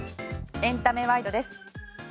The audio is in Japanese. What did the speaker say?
エンタメワイドです。